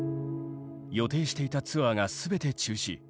予定していたツアーがすべて中止。